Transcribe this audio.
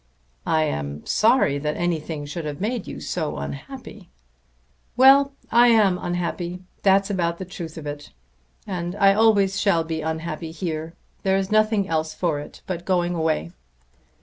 "I am sorry that anything should have made you so unhappy." "Well; I am unhappy. That's about the truth of it. And I always shall be unhappy here. There's nothing else for it but going away."